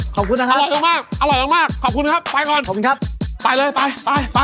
ขอบคุณนะครับอร่อยมากขอบคุณครับไปก่อนไปเลยไปไปไป